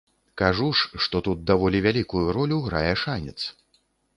Кажу ж, што тут даволі вялікую ролю грае шанец.